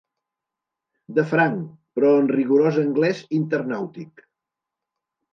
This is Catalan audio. De franc, però en rigorós anglès internàutic.